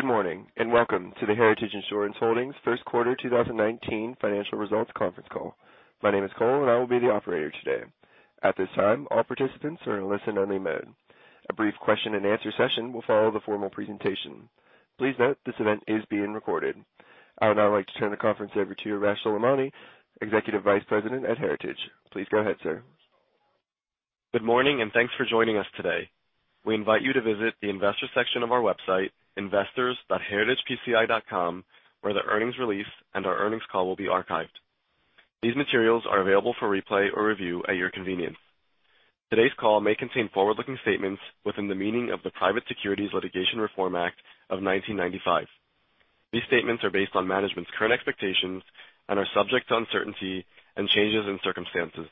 Good morning, welcome to the Heritage Insurance Holdings First Quarter 2019 Financial Results Conference Call. My name is Cole, and I will be your operator today. At this time, all participants are in listen-only mode. A brief question and answer session will follow the formal presentation. Please note this event is being recorded. I would now like to turn the conference over to Arash Soleimani, Executive Vice President at Heritage. Please go ahead, sir. Good morning, thanks for joining us today. We invite you to visit the investor section of our website, investors.heritagepci.com, where the earnings release and our earnings call will be archived. These materials are available for replay or review at your convenience. Today's call may contain forward-looking statements within the meaning of the Private Securities Litigation Reform Act of 1995. These statements are based on management's current expectations and are subject to uncertainty and changes in circumstances.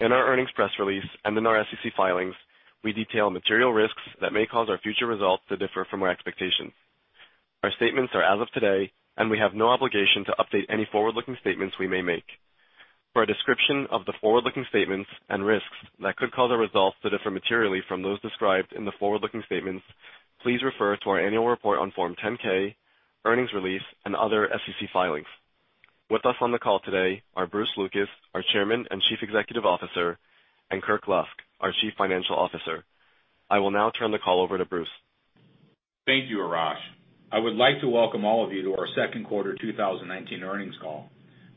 In our earnings press release and in our SEC filings, we detail material risks that may cause our future results to differ from our expectations. Our statements are as of today, we have no obligation to update any forward-looking statements we may make. For a description of the forward-looking statements and risks that could cause our results to differ materially from those described in the forward-looking statements, please refer to our annual report on Form 10-K, earnings release, and other SEC filings. With us on the call today are Bruce Lucas, our Chairman and Chief Executive Officer, and Kirk Lusk, our Chief Financial Officer. I will now turn the call over to Bruce. Thank you, Arash. I would like to welcome all of you to our second quarter 2019 earnings call.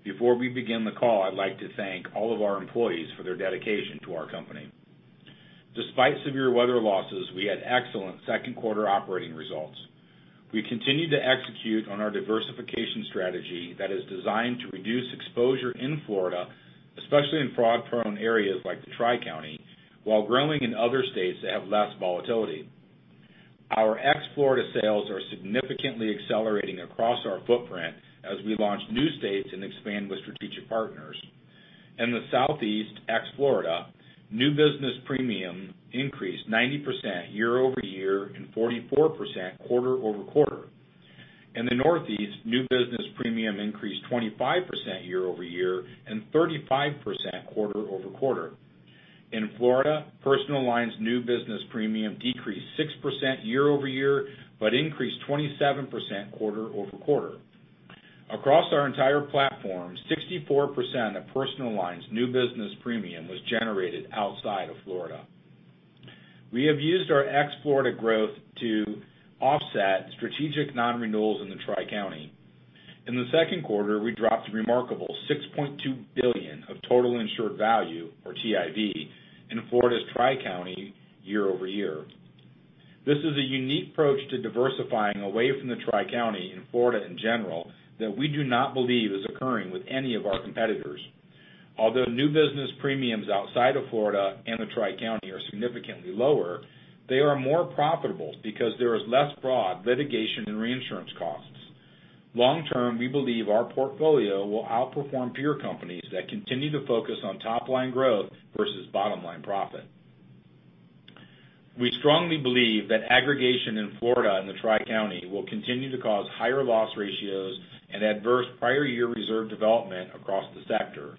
Before we begin the call, I'd like to thank all of our employees for their dedication to our company. Despite severe weather losses, we had excellent second quarter operating results. We continued to execute on our diversification strategy that is designed to reduce exposure in Florida, especially in fraud-prone areas like the Tri-County, while growing in other states that have less volatility. Our ex-Florida sales are significantly accelerating across our footprint as we launch new states and expand with strategic partners. In the Southeast, ex-Florida, new business premium increased 90% year-over-year and 44% quarter-over-quarter. In the Northeast, new business premium increased 25% year-over-year and 35% quarter-over-quarter. In Florida, personal lines new business premium decreased 6% year-over-year, but increased 27% quarter-over-quarter. Across our entire platform, 64% of personal lines new business premium was generated outside of Florida. We have used our ex-Florida growth to offset strategic non-renewals in the Tri-County. In the second quarter, we dropped a remarkable $6.2 billion of total insured value, or TIV, in Florida's Tri-County year-over-year. This is a unique approach to diversifying away from the Tri-County in Florida in general that we do not believe is occurring with any of our competitors. Although new business premiums outside of Florida and the Tri-County are significantly lower, they are more profitable because there is less fraud, litigation, and reinsurance costs. Long-term, we believe our portfolio will outperform peer companies that continue to focus on top-line growth versus bottom-line profit. We strongly believe that aggregation in Florida and the Tri-County will continue to cause higher loss ratios and adverse prior year reserve development across the sector.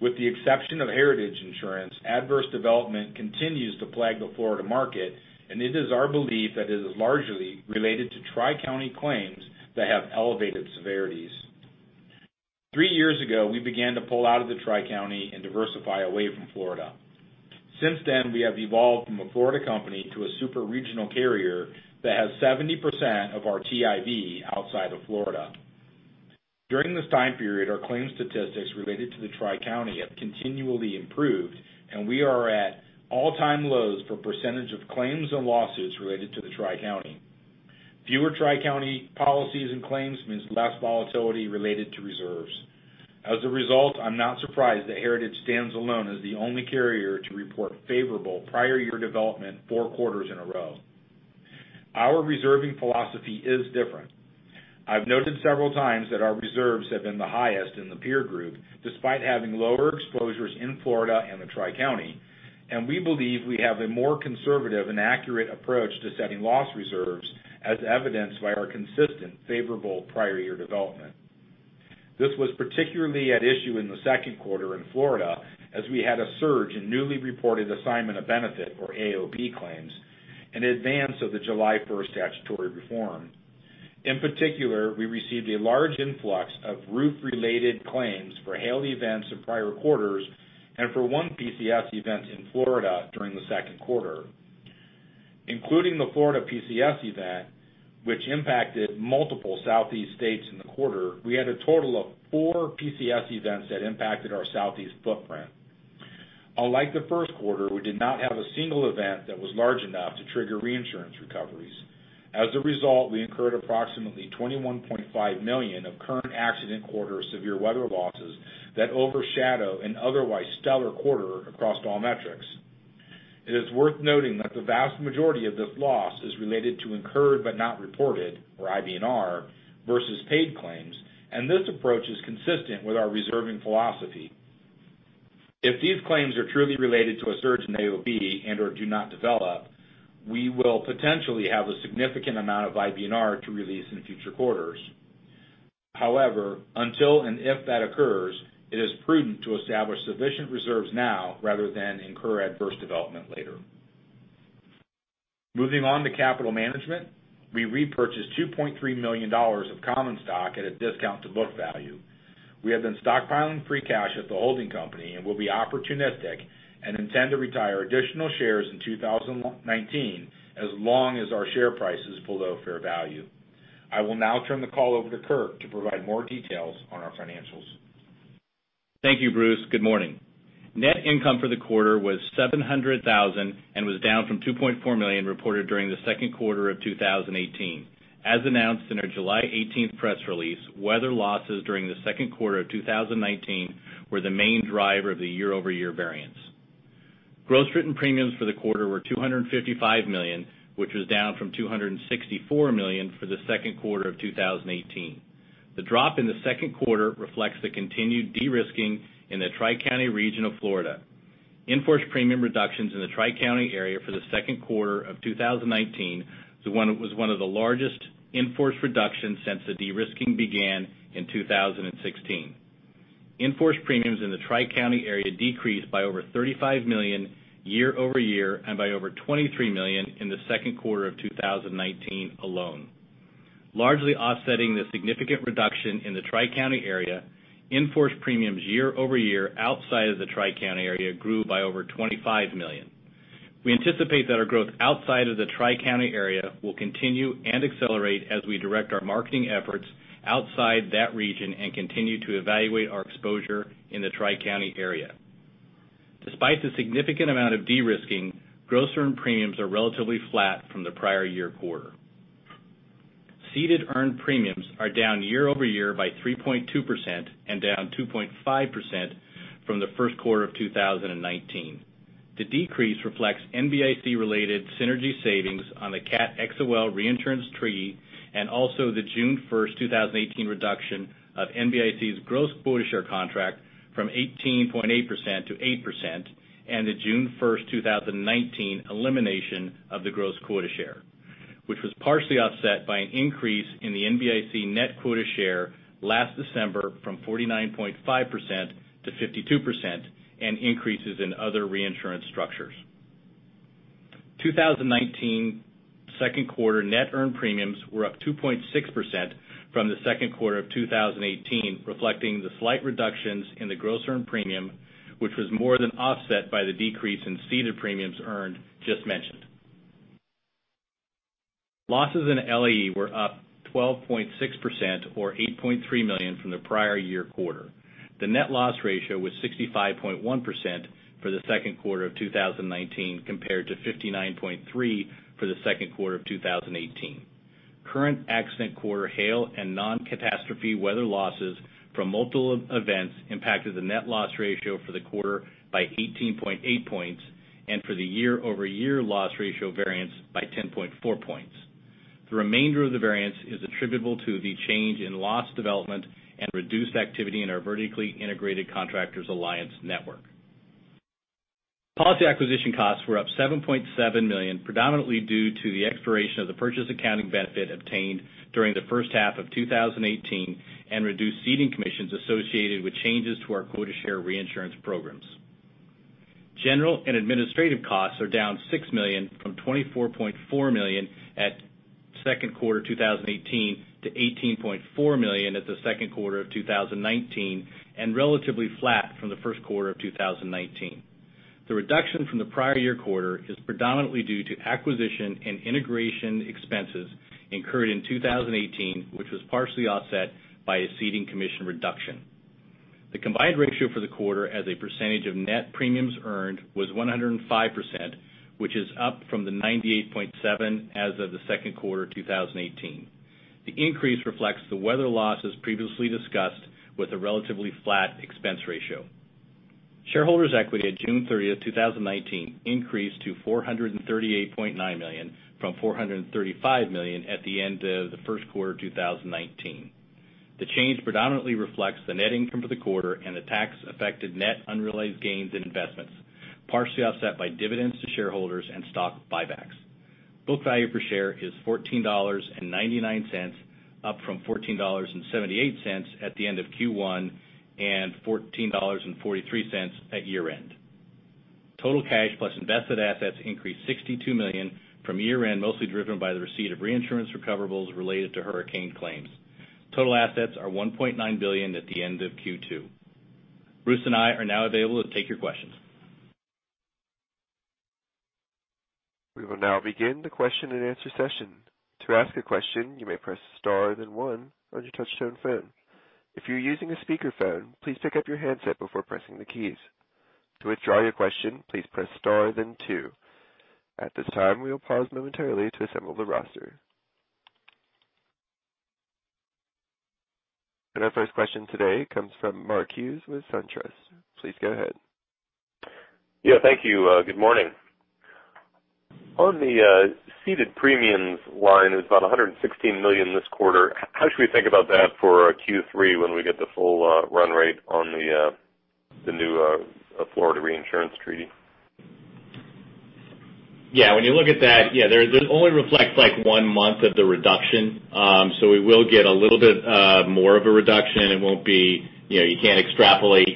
With the exception of Heritage Insurance, adverse development continues to plague the Florida market, and it is our belief that it is largely related to Tri-County claims that have elevated severities. Three years ago, we began to pull out of the Tri-County and diversify away from Florida. Since then, we have evolved from a Florida company to a super-regional carrier that has 70% of our TIV outside of Florida. During this time period, our claims statistics related to the Tri-County have continually improved, and we are at all-time lows for percentage of claims and lawsuits related to the Tri-County. Fewer Tri-County policies and claims means less volatility related to reserves. As a result, I'm not surprised that Heritage stands alone as the only carrier to report favorable prior year development four quarters in a row. Our reserving philosophy is different. I've noted several times that our reserves have been the highest in the peer group, despite having lower exposures in Florida and the Tri-County, and we believe we have a more conservative and accurate approach to setting loss reserves, as evidenced by our consistent favorable prior year development. This was particularly at issue in the second quarter in Florida, as we had a surge in newly reported assignment of benefit, or AOB claims, in advance of the July 1st statutory reform. In particular, we received a large influx of roof-related claims for hail events in prior quarters and for one PCS event in Florida during the second quarter. Including the Florida PCS event, which impacted multiple Southeast states in the quarter, we had a total of four PCS events that impacted our Southeast footprint. Unlike the first quarter, we did not have a single event that was large enough to trigger reinsurance recoveries. As a result, we incurred approximately $21.5 million of current accident quarter severe weather losses that overshadow an otherwise stellar quarter across all metrics. It is worth noting that the vast majority of this loss is related to incurred but not reported, or IBNR, versus paid claims, and this approach is consistent with our reserving philosophy. If these claims are truly related to a surge in AOB and/or do not develop, we will potentially have a significant amount of IBNR to release in future quarters. However, until and if that occurs, it is prudent to establish sufficient reserves now rather than incur adverse development later. Moving on to capital management. We repurchased $2.3 million of common stock at a discount to book value. We have been stockpiling free cash at the holding company and will be opportunistic and intend to retire additional shares in 2019 as long as our share price is below fair value. I will now turn the call over to Kirk to provide more details on our financials. Thank you, Bruce. Good morning. Net income for the quarter was $700,000 and was down from $2.4 million reported during the second quarter of 2018. As announced in our July 18th press release, weather losses during the second quarter of 2019 were the main driver of the year-over-year variance. Gross written premiums for the quarter were $255 million, which was down from $264 million for the second quarter of 2018. The drop in the second quarter reflects the continued de-risking in the Tri-County region of Florida. In-force premium reductions in the Tri-County area for the second quarter of 2019 was one of the largest in-force reductions since the de-risking began in 2016. In-force premiums in the Tri-County area decreased by over $35 million year-over-year and by over $23 million in the second quarter of 2019 alone. Largely offsetting the significant reduction in the Tri-County area, in-force premiums year-over-year outside of the Tri-County area grew by over $25 million. We anticipate that our growth outside of the Tri-County area will continue and accelerate as we direct our marketing efforts outside that region and continue to evaluate our exposure in the Tri-County area. Despite the significant amount of de-risking, gross earned premiums are relatively flat from the prior year quarter. Ceded earned premiums are down year-over-year by 3.2% and down 2.5% from the first quarter of 2019. The decrease reflects NBIC related synergy savings on the Cat XOL reinsurance treaty, and also the June 1st, 2018 reduction of NBIC's gross quota share contract from 18.8% to 8%, and the June 1st, 2019 elimination of the gross quota share, which was partially offset by an increase in the NBIC net quota share last December from 49.5% to 52%, and increases in other reinsurance structures. 2019 second quarter net earned premiums were up 2.6% from the second quarter of 2018, reflecting the slight reductions in the gross earned premium, which was more than offset by the decrease in ceded premiums earned just mentioned. Losses in LAE were up 12.6%, or $8.3 million from the prior year quarter. The net loss ratio was 65.1% for the second quarter of 2019, compared to 59.3% for the second quarter of 2018. Current accident quarter hail and non-catastrophe weather losses from multiple events impacted the net loss ratio for the quarter by 18.8 points, and for the year-over-year loss ratio variance by 10.4 points. The remainder of the variance is attributable to the change in loss development and reduced activity in our vertically integrated Contractors Alliance Network. Policy acquisition costs were up $7.7 million, predominantly due to the expiration of the purchase accounting benefit obtained during the first half of 2018 and reduced ceding commissions associated with changes to our quota share reinsurance programs. General and administrative costs are down $6 million from $24.4 million at second quarter 2018 to $18.4 million at the second quarter of 2019, and relatively flat from the first quarter of 2019. The reduction from the prior year quarter is predominantly due to acquisition and integration expenses incurred in 2018, which was partially offset by a ceding commission reduction. The combined ratio for the quarter as a percentage of net premiums earned was 105%, which is up from the 98.7% as of the second quarter 2018. The increase reflects the weather losses previously discussed with a relatively flat expense ratio. Shareholders' equity at June 30th, 2019 increased to $438.9 million from $435 million at the end of the first quarter 2019. The change predominantly reflects the net income for the quarter and the tax affected net unrealized gains in investments, partially offset by dividends to shareholders and stock buybacks. Book value per share is $14.99, up from $14.78 at the end of Q1, and $14.43 at year end. Total cash plus invested assets increased $62 million from year end, mostly driven by the receipt of reinsurance recoverables related to hurricane claims. Total assets are $1.9 billion at the end of Q2. Bruce and I are now available to take your questions. We will now begin the question and answer session. To ask a question, you may press star then one on your touchtone phone. If you're using a speakerphone, please pick up your handset before pressing the keys. To withdraw your question, please press star then two. At this time, we will pause momentarily to assemble the roster. Our first question today comes from Mark Hughes with SunTrust. Please go ahead. Yeah. Thank you. Good morning. On the ceded premiums line, it was about $116 million this quarter. How should we think about that for our Q3 when we get the full run rate on the new Florida reinsurance treaty? Yeah. When you look at that, this only reflects one month of the reduction. We will get a little bit more of a reduction. You can't extrapolate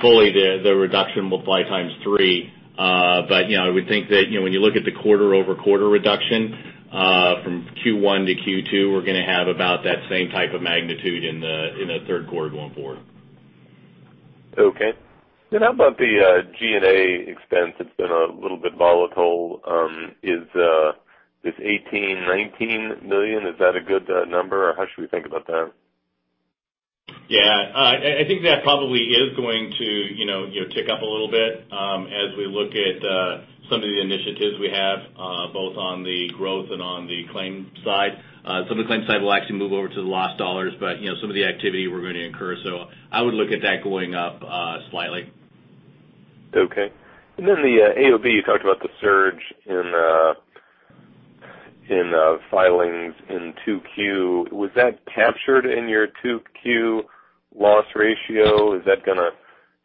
fully the reduction multiply times three. I would think that when you look at the quarter-over-quarter reduction from Q1 to Q2, we're going to have about that same type of magnitude in the third quarter going forward. Okay. How about the G&A expense? It's been a little bit volatile. Is this $18 million-$19 million, is that a good number? How should we think about that? Yeah. I think that probably is going to tick up a little bit as we look at some of the initiatives we have, both on the growth and on the claims side. Some of the claims side will actually move over to the loss dollars, but some of the activity we're going to incur. I would look at that going up slightly. Okay. The AOB, you talked about the surge in filings in 2Q. Was that captured in your 2Q loss ratio? Is that going to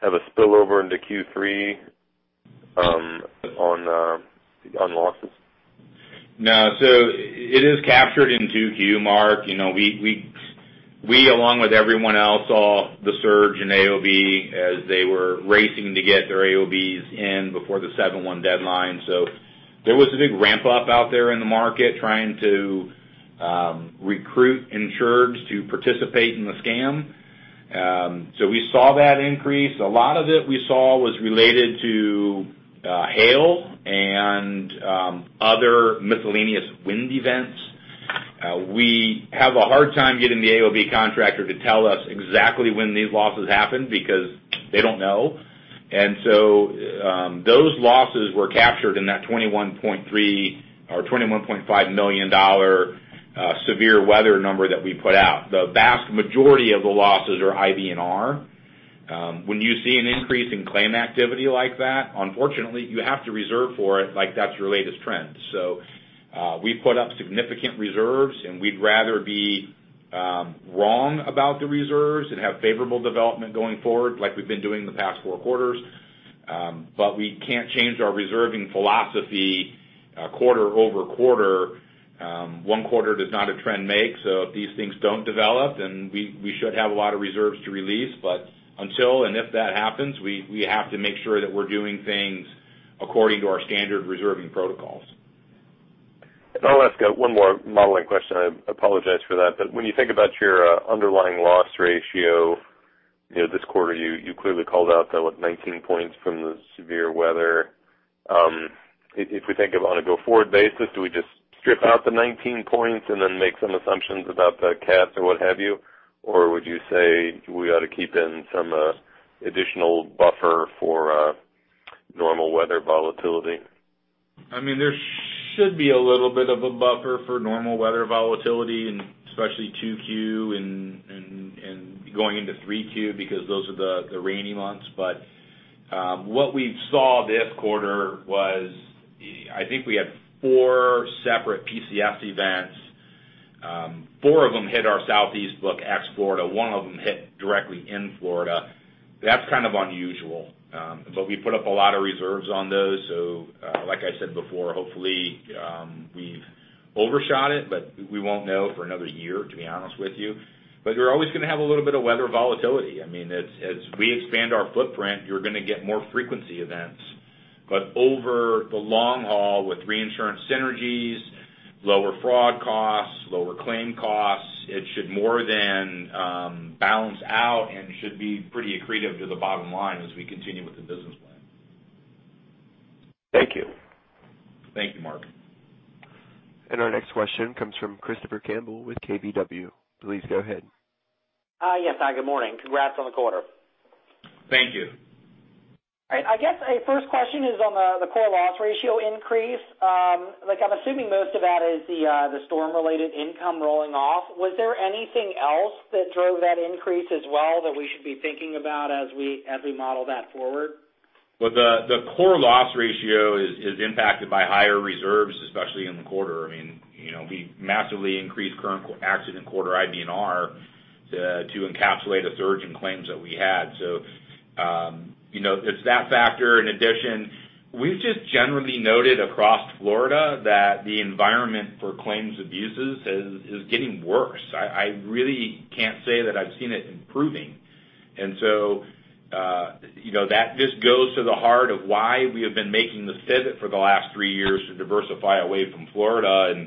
have a spillover into Q3 on losses? No. It is captured in 2Q, Mark. We, along with everyone else, saw the surge in AOB as they were racing to get their AOBs in before the 7-1 deadline. There was a big ramp-up out there in the market trying to recruit insureds to participate in the scam. We saw that increase. A lot of it we saw was related to hail and other miscellaneous wind events. We have a hard time getting the AOB contractor to tell us exactly when these losses happened because they don't know. Those losses were captured in that $21.3 million or $21.5 million severe weather number that we put out. The vast majority of the losses are IBNR. When you see an increase in claim activity like that, unfortunately, you have to reserve for it like that's your latest trend. We put up significant reserves, we'd rather be wrong about the reserves and have favorable development going forward like we've been doing the past four quarters, but we can't change our reserving philosophy quarter-over-quarter. One quarter does not a trend make, if these things don't develop, we should have a lot of reserves to release. Until and if that happens, we have to make sure that we're doing things according to our standard reserving protocols. I'll ask one more modeling question. I apologize for that. When you think about your underlying loss ratio this quarter, you clearly called out the 19 points from the severe weather. If we think of on a go-forward basis, do we just strip out the 19 points and then make some assumptions about the CAT or what have you? Would you say we ought to keep in some additional buffer for normal weather volatility? There should be a little bit of a buffer for normal weather volatility, especially 2Q and going into 3Q because those are the rainy months. What we saw this quarter was, I think we had four separate PCS events. Four of them hit our Southeast book ex-Florida. One of them hit directly in Florida. That's kind of unusual. We put up a lot of reserves on those. Like I said before, hopefully, we've overshot it, but we won't know for another year, to be honest with you. You're always going to have a little bit of weather volatility. As we expand our footprint, you're going to get more frequency events. Over the long haul with reinsurance synergies, lower fraud costs, lower claim costs, it should more than balance out and should be pretty accretive to the bottom line as we continue with the business plan. Thank you. Thank you, Mark. Our next question comes from Christopher Campbell with KBW. Please go ahead. Yes. Good morning. Congrats on the quarter. Thank you. I guess a first question is on the core loss ratio increase. I'm assuming most of that is the storm-related income rolling off. Was there anything else that drove that increase as well that we should be thinking about as we model that forward? Well, the core loss ratio is impacted by higher reserves, especially in the quarter. We massively increased current accident quarter IBNR to encapsulate a surge in claims that we had. It's that factor. In addition, we've just generally noted across Florida that the environment for claims abuses is getting worse. I really can't say that I've seen it improving. This goes to the heart of why we have been making the pivot for the last three years to diversify away from Florida.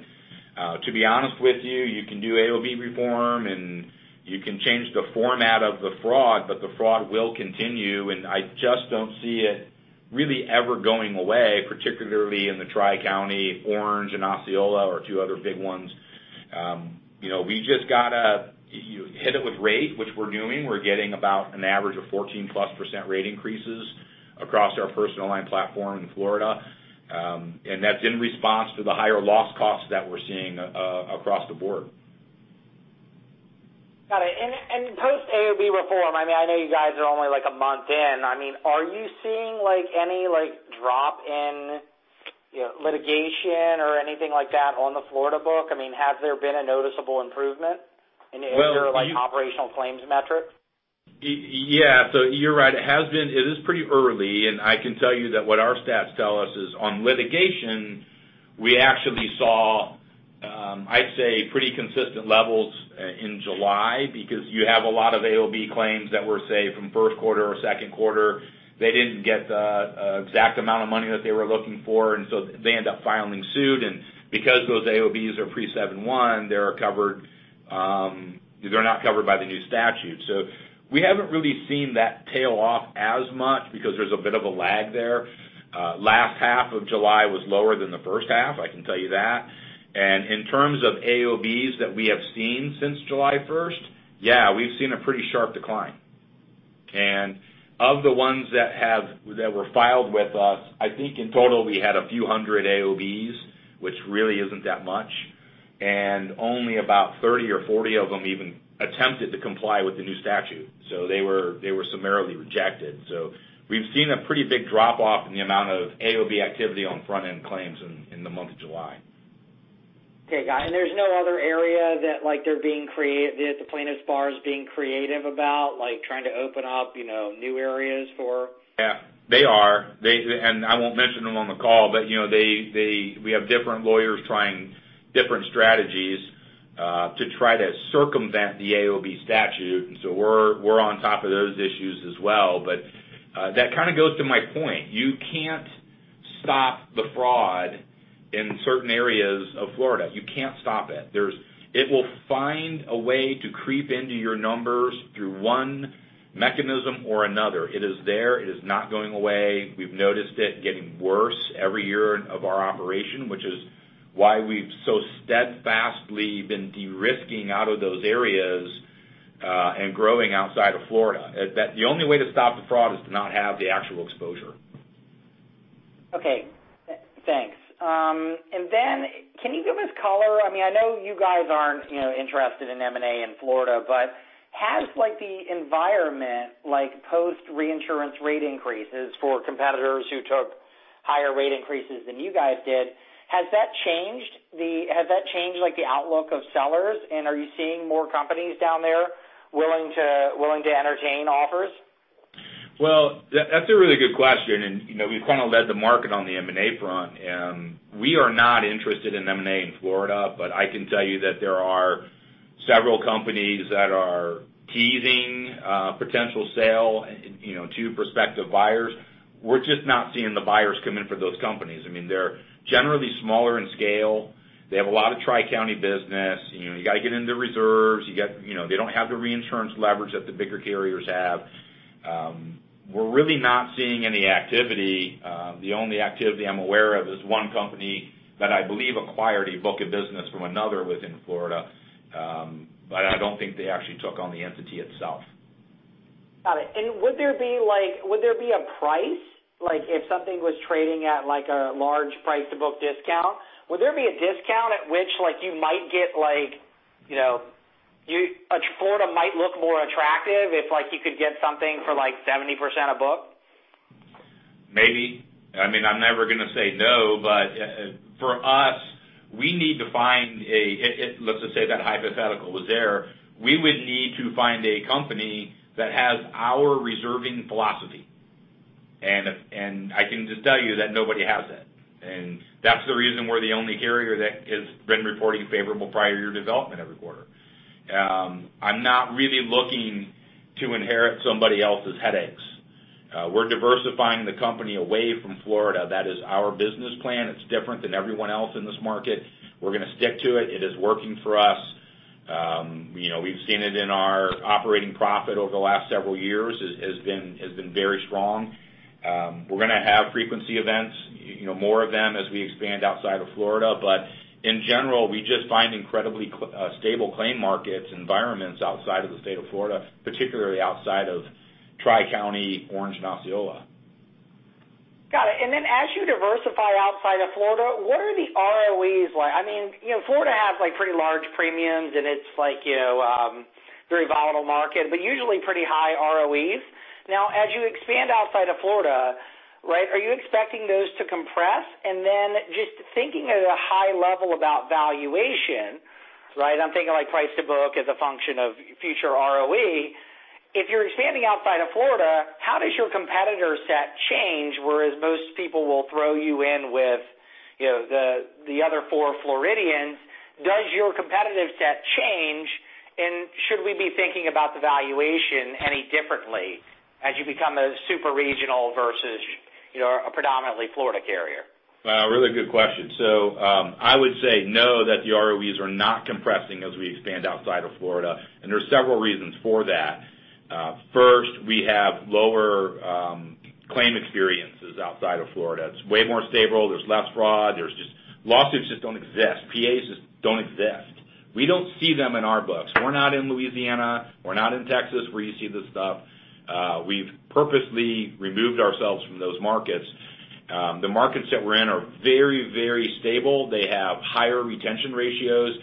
To be honest with you can do AOB reform, and you can change the format of the fraud, but the fraud will continue, and I just don't see it really ever going away, particularly in the Tri-County, Orange, and Osceola are two other big ones. We just got to hit it with rate, which we're doing. We're getting about an average of 14-plus % rate increases across our personal lines platform in Florida. That's in response to the higher loss costs that we're seeing across the board. Got it. Post-AOB reform, I know you guys are only a month in. Are you seeing any drop in litigation or anything like that on the Florida book? Has there been a noticeable improvement in either operational claims metric? Yeah. You're right. It is pretty early, and I can tell you that what our stats tell us is on litigation, we actually saw, I'd say, pretty consistent levels in July because you have a lot of AOB claims that were, say, from first quarter or second quarter. They didn't get the exact amount of money that they were looking for, they end up filing suit. Because those AOBs are pre 7/1, they're not covered by the new statute. We haven't really seen that tail off as much because there's a bit of a lag there. Last half of July was lower than the first half, I can tell you that. In terms of AOBs that we have seen since July 1st, yeah, we've seen a pretty sharp decline. Of the ones that were filed with us, I think in total, we had a few hundred AOBs, which really isn't that much, and only about 30 or 40 of them even attempted to comply with the new statute. They were summarily rejected. We've seen a pretty big drop off in the amount of AOB activity on front-end claims in the month of July. Okay, got it. There's no other area that the plaintiffs' bar is being creative about, like trying to open up new areas for? Yeah, they are. I won't mention them on the call, but we have different lawyers trying different strategies, to try to circumvent the AOB statute, we're on top of those issues as well. That kind of goes to my point. You can't stop the fraud in certain areas of Florida. You can't stop it. It will find a way to creep into your numbers through one mechanism or another. It is there. It is not going away. We've noticed it getting worse every year of our operation, which is why we've so steadfastly been de-risking out of those areas, and growing outside of Florida. The only way to stop the fraud is to not have the actual exposure. Okay. Thanks. Can you give us color? I know you guys aren't interested in M&A in Florida, but has the environment, like post reinsurance rate increases for competitors who took higher rate increases than you guys did, has that changed the outlook of sellers, and are you seeing more companies down there willing to entertain offers? Well, that's a really good question. We've kind of led the market on the M&A front. We are not interested in M&A in Florida. I can tell you that there are several companies that are teasing a potential sale to prospective buyers. We're just not seeing the buyers come in for those companies. They're generally smaller in scale. They have a lot of Tri-County business. You got to get into reserves. They don't have the reinsurance leverage that the bigger carriers have. We're really not seeing any activity. The only activity I am aware of is one company that I believe acquired a book of business from another within Florida. I don't think they actually took on the entity itself. Got it. Would there be a price, like if something was trading at a large price-to-book discount, would there be a discount at which Florida might look more attractive if you could get something for 70% of book? Maybe. I'm never going to say no. For us, let's just say that hypothetical was there. We would need to find a company that has our reserving philosophy. I can just tell you that nobody has that. That's the reason we're the only carrier that has been reporting favorable prior year development every quarter. I'm not really looking to inherit somebody else's headaches. We're diversifying the company away from Florida. That is our business plan. It's different than everyone else in this market. We're going to stick to it. It is working for us. We've seen it in our operating profit over the last several years. It has been very strong. We're going to have frequency events, more of them as we expand outside of Florida. In general, we just find incredibly stable claim markets, environments outside of the state of Florida, particularly outside of Tri-County, Orange, and Osceola. Got it. As you diversify outside of Florida, what are the ROE like? Florida has pretty large premiums, and it's a very volatile market, but usually pretty high ROE. As you expand outside of Florida, are you expecting those to compress? Just thinking at a high level about valuation. I'm thinking like price to book as a function of future ROE. If you're expanding outside of Florida, how does your competitor set change, whereas most people will throw you in with the other four Floridians? Does your competitive set change, and should we be thinking about the valuation any differently as you become a super regional versus a predominantly Florida carrier? Really good question. I would say no, that the ROEs are not compressing as we expand outside of Florida, and there's several reasons for that. First, we have lower claim experiences outside of Florida. It's way more stable. There's less fraud. Lawsuits just don't exist. PAs just don't exist. We don't see them in our books. We're not in Louisiana. We're not in Texas, where you see this stuff. We've purposely removed ourselves from those markets. The markets that we're in are very stable. They have higher retention ratios.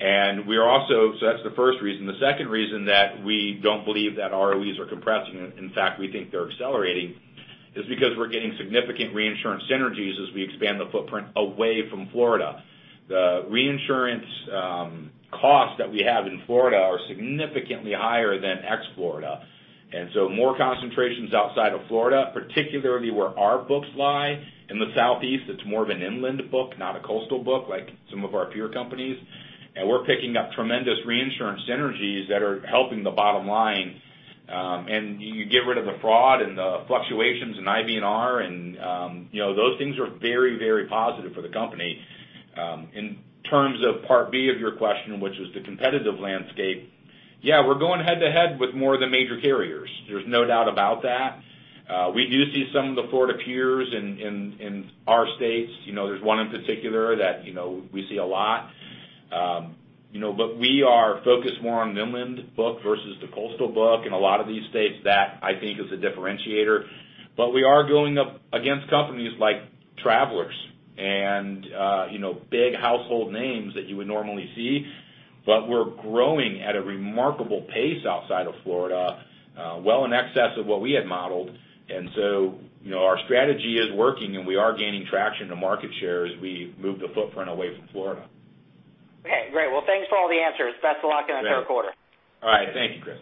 That's the first reason. The second reason that we don't believe that ROEs are compressing, in fact, we think they're accelerating is because we're getting significant reinsurance synergies as we expand the footprint away from Florida. The reinsurance costs that we have in Florida are significantly higher than ex-Florida. More concentrations outside of Florida, particularly where our books lie in the Southeast, it's more of an inland book, not a coastal book like some of our peer companies. We're picking up tremendous reinsurance synergies that are helping the bottom line. You get rid of the fraud and the fluctuations in IBNR, and those things are very, very positive for the company. In terms of part B of your question, which was the competitive landscape, yeah, we're going head-to-head with more of the major carriers. There's no doubt about that. We do see some of the Florida peers in our states. There's one in particular that we see a lot. We are focused more on inland book versus the coastal book in a lot of these states. That, I think, is a differentiator. We are going up against companies like Travelers and big household names that you would normally see. We're growing at a remarkable pace outside of Florida, well in excess of what we had modeled. Our strategy is working, and we are gaining traction to market share as we move the footprint away from Florida. Okay, great. Well, thanks for all the answers. Best of luck in the third quarter. All right. Thank you, Chris.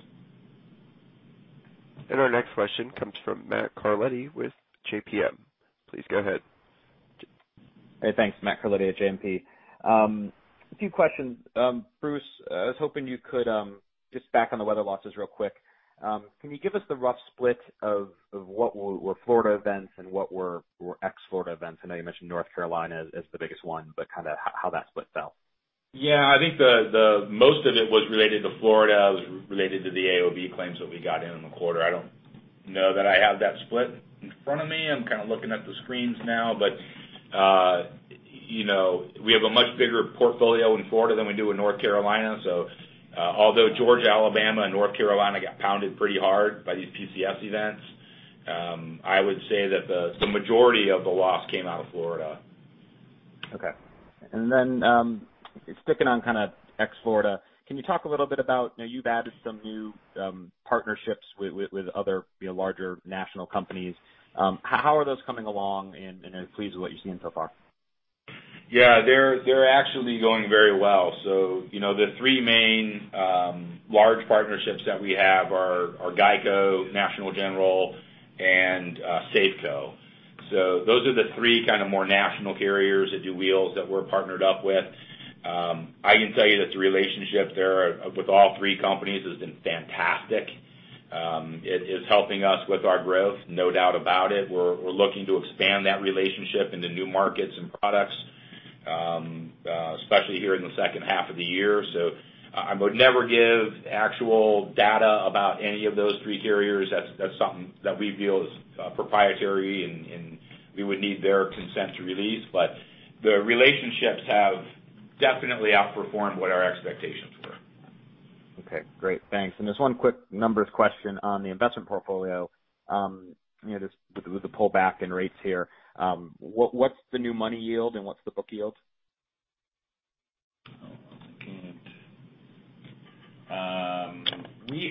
Our next question comes from Matthew Carletti with JMP. Please go ahead. Hey, thanks. Matthew Carletti at JMP. A few questions. Bruce, I was hoping you could just back on the weather losses real quick. Can you give us the rough split of what were Florida events and what were ex-Florida events? I know you mentioned North Carolina as the biggest one, but kind of how that split felt. Yeah, I think most of it was related to Florida. It was related to the AOB claims that we got in in the quarter. I don't know that I have that split in front of me. I'm kind of looking at the screens now, but we have a much bigger portfolio in Florida than we do in North Carolina. Although Georgia, Alabama, and North Carolina got pounded pretty hard by these PCS events, I would say that the majority of the loss came out of Florida. Okay. Sticking on kind of ex-Florida, can you talk a little bit about, you've added some new partnerships with other larger national companies. How are those coming along, and are you pleased with what you've seen so far? Yeah, they're actually going very well. The three main large partnerships that we have are GEICO, National General, and Safeco. Those are the three kind of more national carriers that do wheels that we're partnered up with. I can tell you that the relationship there with all three companies has been fantastic. It is helping us with our growth, no doubt about it. We're looking to expand that relationship into new markets and products, especially here in the second half of the year. I would never give actual data about any of those three carriers. That's something that we feel is proprietary, and we would need their consent to release. The relationships have definitely outperformed what our expectations were. Okay, great. Thanks. Just one quick numbers question on the investment portfolio. With the pullback in rates here, what's the new money yield and what's the book yield?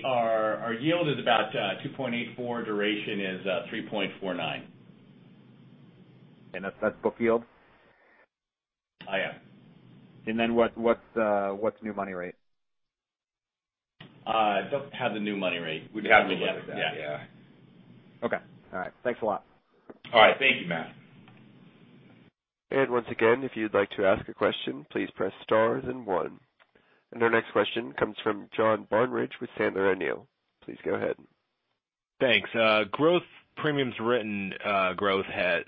Our yield is about 2.84%. Duration is 3.49. That's book yield? Yeah. What's new money rate? I don't have the new money rate. We don't have that yet. Yeah. Okay. All right. Thanks a lot. All right. Thank you, Matt. Once again, if you'd like to ask a question, please press star then one. Our next question comes from John Barnidge with Sandler O'Neill. Please go ahead. Thanks. Gross premiums written growth has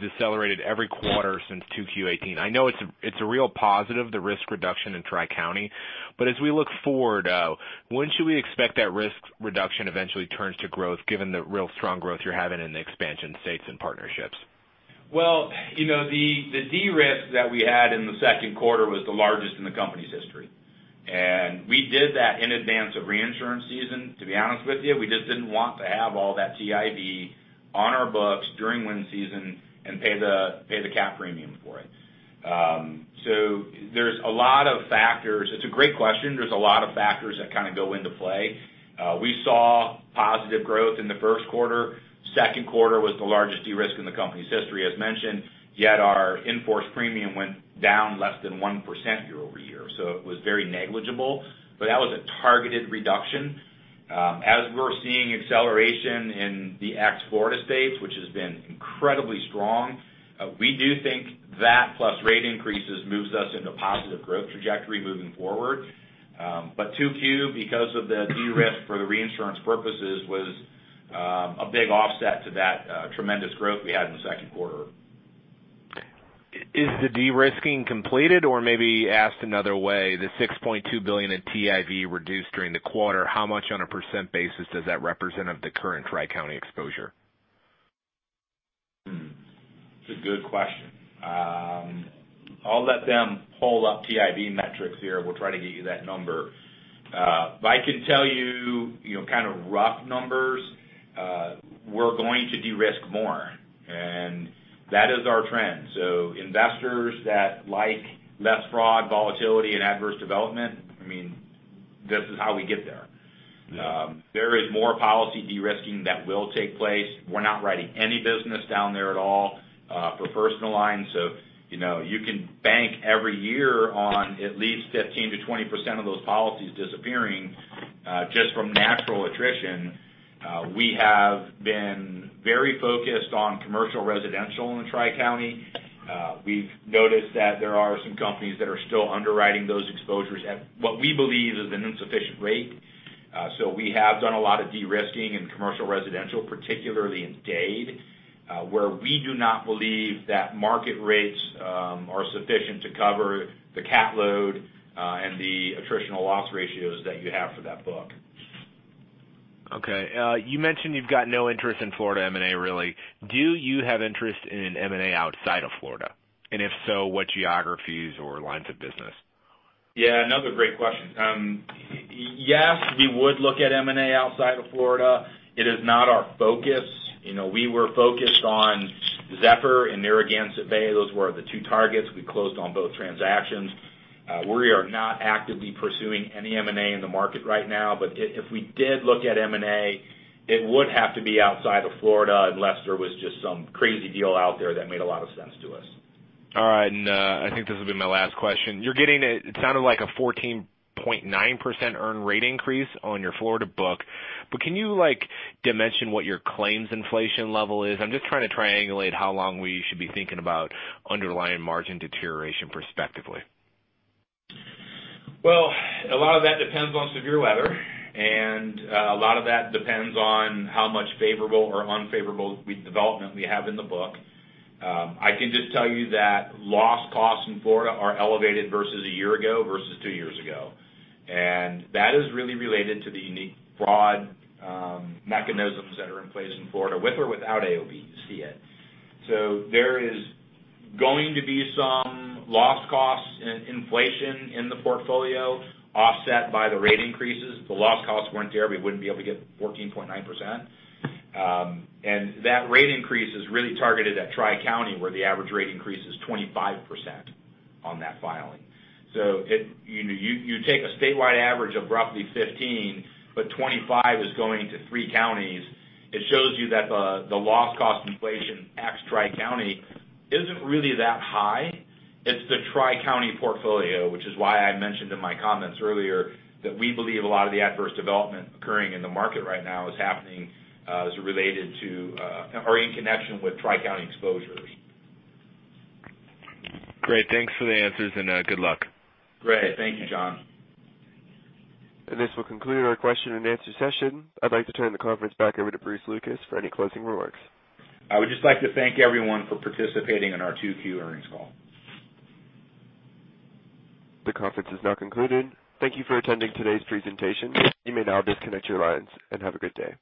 decelerated every quarter since 2Q 2018. I know it's a real positive, the risk reduction in Tri County. As we look forward, when should we expect that risk reduction eventually turns to growth, given the real strong growth you're having in the expansion states and partnerships? The de-risk that we had in the second quarter was the largest in the company's history. We did that in advance of reinsurance season. To be honest with you, we just didn't want to have all that TIV on our books during wind season and pay the cat premium for it. There's a lot of factors. It's a great question. There's a lot of factors that kind of go into play. We saw positive growth in the first quarter. Second quarter was the largest de-risk in the company's history, as mentioned, yet our in-force premium went down less than 1% year-over-year. It was very negligible, but that was a targeted reduction. As we're seeing acceleration in the ex-Florida states, which has been incredibly strong, we do think that plus rate increases moves us into positive growth trajectory moving forward. 2Q, because of the de-risk for the reinsurance purposes, was a big offset to that tremendous growth we had in the second quarter. Is the de-risking completed? Or maybe asked another way, the $6.2 billion in TIV reduced during the quarter, how much on a % basis does that represent of the current Tri County exposure? That's a good question. I'll let them pull up TIV metrics here. We'll try to get you that number. I can tell you kind of rough numbers. We're going to de-risk more, and that is our trend. Investors that like less fraud, volatility, and adverse development, I mean this is how we get there. There is more policy de-risking that will take place. We're not writing any business down there at all for personal lines. You can bank every year on at least 15%-20% of those policies disappearing just from natural attrition. We have been very focused on commercial residential in the Tri-County. We've noticed that there are some companies that are still underwriting those exposures at what we believe is an insufficient rate. We have done a lot of de-risking in commercial residential, particularly in Dade where we do not believe that market rates are sufficient to cover the cat load and the attritional loss ratios that you have for that book. Okay. You mentioned you've got no interest in Florida M&A really. Do you have interest in M&A outside of Florida? If so, what geographies or lines of business? Yeah, another great question. Yes, we would look at M&A outside of Florida. It is not our focus. We were focused on Zephyr and Narragansett Bay. Those were the two targets. We closed on both transactions. We are not actively pursuing any M&A in the market right now, but if we did look at M&A, it would have to be outside of Florida unless there was just some crazy deal out there that made a lot of sense to us. All right. I think this will be my last question. You're getting, it sounded like a 14.9% earned rate increase on your Florida book, but can you dimension what your claims inflation level is? I'm just trying to triangulate how long we should be thinking about underlying margin deterioration perspectively. Well, a lot of that depends on severe weather, a lot of that depends on how much favorable or unfavorable development we have in the book. I can just tell you that loss costs in Florida are elevated versus a year ago, versus two years ago. That is really related to the unique fraud mechanisms that are in place in Florida with or without AOB to see it. There is going to be some loss costs and inflation in the portfolio offset by the rate increases. If the loss costs weren't there, we wouldn't be able to get 14.9%. That rate increase is really targeted at Tri-County, where the average rate increase is 25% on that filing. You take a statewide average of roughly 15%, but 25% is going to three counties. It shows you that the loss cost inflation at Tri-County isn't really that high. It's the Tri-County portfolio, which is why I mentioned in my comments earlier that we believe a lot of the adverse development occurring in the market right now is happening as related to or in connection with Tri-County exposures. Great. Thanks for the answers, and good luck. Great. Thank you, John. This will conclude our question and answer session. I'd like to turn the conference back over to Bruce Lucas for any closing remarks. I would just like to thank everyone for participating in our 2Q earnings call. The conference is now concluded. Thank you for attending today's presentation. You may now disconnect your lines, and have a good day.